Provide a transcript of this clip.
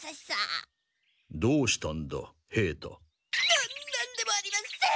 ななんでもありません！